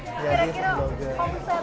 terus beralih menjadi blogger